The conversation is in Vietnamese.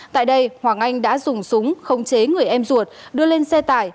tại đây hoàng anh đã dùng súng khống chế người em ruột đưa lên xe tải